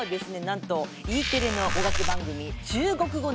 なんとＥテレの語学番組「中国語！